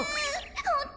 ホント？